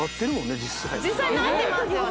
実際実際なってますよね